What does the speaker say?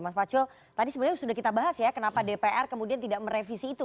mas pacul tadi sebenarnya sudah kita bahas ya kenapa dpr kemudian tidak merevisi itu